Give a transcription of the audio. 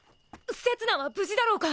せつなは無事だろうか！？